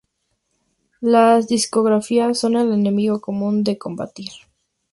las discográficas son el enemigo común a combatir